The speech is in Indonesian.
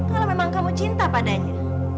kalau memang kamu cinta padanya